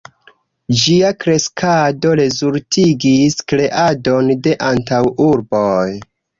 Ĝia kreskado rezultigis kreadon de antaŭurboj.